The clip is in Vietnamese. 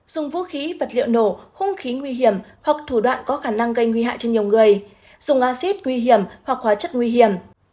dùng vũ khí vật liệu nổ khung khí nguy hiểm hoặc thủ đoạn có khả năng gây nguy hại cho nhiều người dùng acid nguy hiểm hoặc hóa chất nguy hiểm